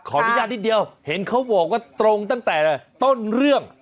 อนุญาตนิดเดียวเห็นเขาบอกว่าตรงตั้งแต่ต้นเรื่อง